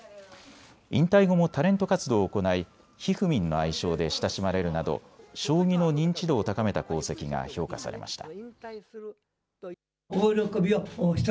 引退後もタレント活動を行いひふみんの愛称で親しまれるなど将棋の認知度を高めた功績が評価されました。